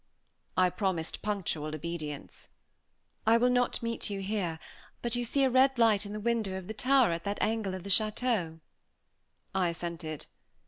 I promised punctual obedience. "I will not meet you here; but you see a red light in the window of the tower at that angle of the château?" I assented.